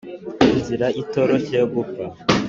inzira itoroshye yo gupfa